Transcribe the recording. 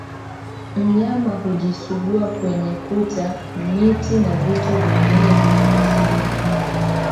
Mnyama hujisugua kwenye kuta miti na vitu vingine vilivyosimama